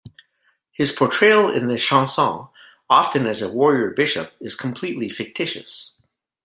His portrayal in the "chansons", often as a warrior-bishop, is completely fictitious.